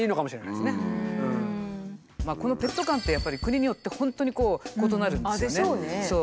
このペット観ってやっぱり国によって本当に異なるんですよね。